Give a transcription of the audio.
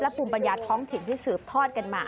และปุ่มปัญญาท้องถิ่นที่สืบทอดกันมา